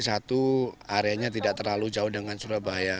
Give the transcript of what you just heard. satu areanya tidak terlalu jauh dengan surabaya